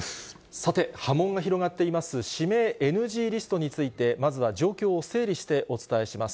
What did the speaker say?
さて、波紋が広がっています指名ＮＧリストについて、まずは状況を整理してお伝えします。